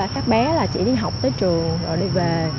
các bé chỉ đi học tới trường rồi đi về